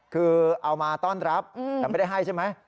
คือเอามาต้อนรับแต่ไม่ได้ให้ใช่ไหม